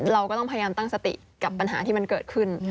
เราก็ต้องพยายามตั้งสติกับปัญหาที่มันเกิดขึ้น